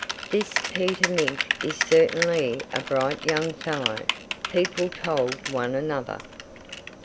"This Peter Mink is certainly a bright young fellow," people told one another.